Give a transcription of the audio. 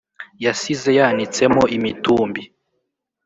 yasize yanitsemo imitumbi